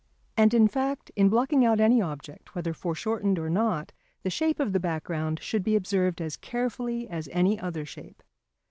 And in fact, in blocking out any object, whether foreshortened or not, the shape of the background should be observed as carefully as any other shape.